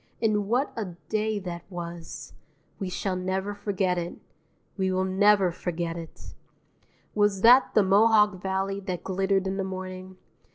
And what a day that was! We shall never forget it; we will never forget it! Was that the Mohawk Valley that glittered in the morning?